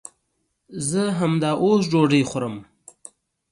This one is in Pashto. زه همداوس ډوډۍ خورم